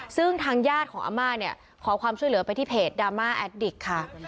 ซึ่งทางญาติของอาม่าเนี่ยขอความช่วยเหลือไปที่เพจดราม่าแอดดิกค่ะ